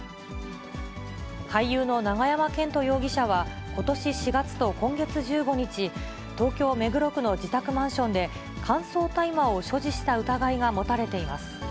俳優の永山絢斗容疑者は、ことし４月と今月１５日、東京・目黒区の自宅マンションで、乾燥大麻を所持した疑いが持たれています。